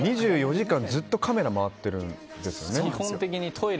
２４時間ずっとカメラ回っているんですよね。